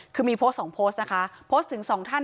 คือมีโพสต์๒โพสต์นะคะโพสต์ถึงสองท่าน